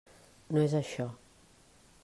No és això.